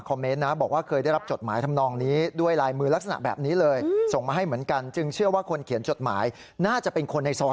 ผมแอบมองเวลาตัวเองใส่ชุดทำงาน